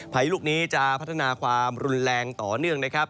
พายุลูกนี้จะพัฒนาความรุนแรงต่อเนื่องนะครับ